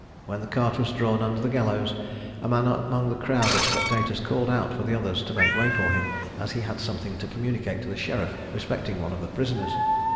When the cart was drawn under the gallows, a man among the crowd of spectators called out for the others to make way for him, as he had something to communicate to the sheriff respecting one of the prisoners.